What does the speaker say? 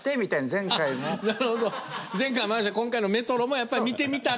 前回も合わせて今回のメトロもやっぱり見てみたら。